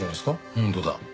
本当だ。